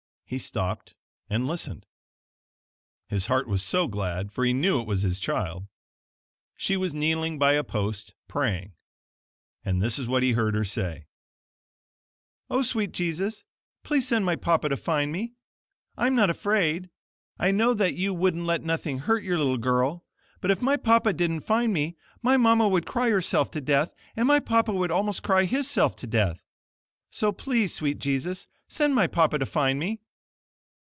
He stopped and listened. His heart was so glad, for he knew it was his child. She was kneeling by a post praying. And this is what he heard her say, "O sweet Jesus, please send my papa to find me! I'm not afraid! I know that you wouldn't let nothing hurt your little girl, but if my papa didn't find me, my mama would cry herself to death and my papa would almost cry his self to death. So please, sweet Jesus, send my papa to find me."